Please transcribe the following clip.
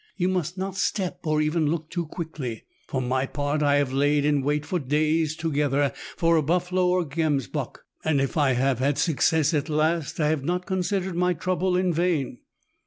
You must not step or even look too quickly. For my part, I have laid in wait for days together for a buffalo or gemsbok, and if I have had success at last, I have not considered my trouble in vain."